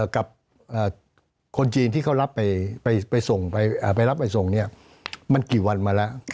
กับคนจีนที่เขารับไปส่งมันกี่วันมาแล้ว